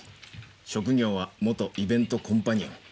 職業は元イベントコンパニオン。